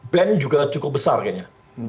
band juga cukup besar kayaknya